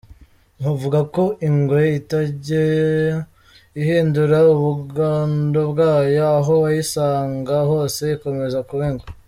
Bavuga ko ingwe itajya ihindura ubugondo bwayo ,aho wayisanga hose ikomeza kuba ingwe.